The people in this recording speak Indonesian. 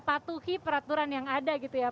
patuhi peraturan yang ada gitu ya pak ya